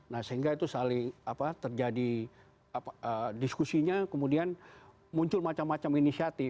nah sehingga itu saling terjadi diskusinya kemudian muncul macam macam inisiatif